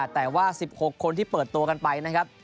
แต่ว่า๑๖คนที่เปิดตัวกันไปนะครับ